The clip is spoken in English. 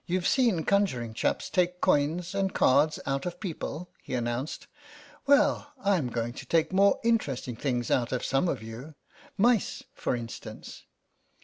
"Youve seen conjuring chaps take coins and cards out of people," he announced; "well, Fm going to take more interesting things out of some of you. Mice, for instance."